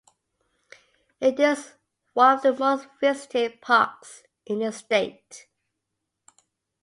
It is one of the most-visited parks in the state.